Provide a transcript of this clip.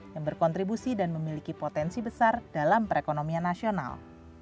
yang berkontribusi dan memiliki potensi besar dalam perekonomian nasional